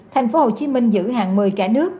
thành phố hồ chí minh giữ hàng một mươi cả nước